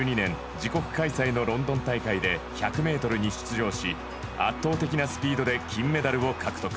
自国大会のロンドン大会で１００ｍに出場し圧倒的なスピードで金メダルを獲得。